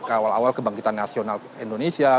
awal awal kebangkitan nasional indonesia